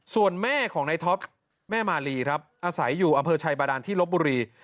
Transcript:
ส่วนแม่ของในท็อปแม่มาลีครับอาศัยอยู่อำเภอชัยบาดานที่ลบบุรี